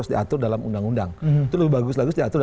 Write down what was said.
itu dalam konstitusi